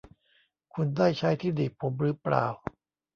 คุณได้ใช้ที่หนีบผมหรือเปล่า ?